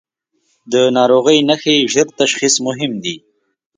د ناروغۍ نښې ژر تشخیص مهم دي.